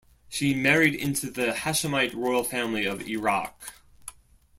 She married into the Hashemite royal family of Iraq.